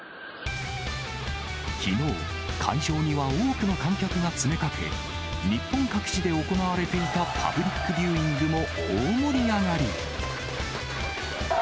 きのう、会場には多くの観客が詰めかけ、日本各地で行われていたパブリックビューイングも大盛り上がり。